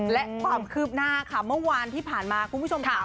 และความคืบหน้าค่ะเมื่อวานที่ผ่านมาคุณผู้ชมค่ะ